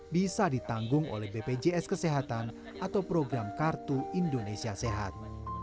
bisa ditanggung oleh bpjs kesehatan atau program kartu indonesia sehat